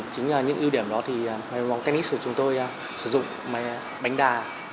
chính những ưu điểm đó thì máy bắn bóng tennis của chúng tôi sử dụng máy bắn bóng bánh đa